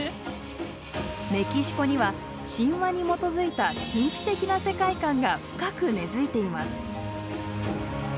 メキシコには神話に基づいた神秘的な世界観が深く根づいています。